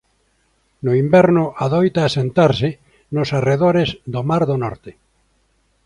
No inverno adoita asentarse nos arredores do mar do Norte.